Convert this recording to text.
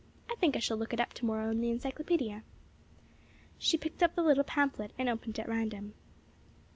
I think I shall look it up to morrow in the encyclopedia." She picked up the little pamphlet, and opened at random.